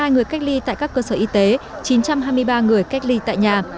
một mươi người cách ly tại các cơ sở y tế chín trăm hai mươi ba người cách ly tại nhà